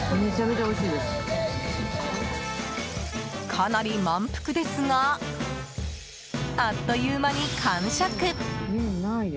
かなり満腹ですがあっという間に完食！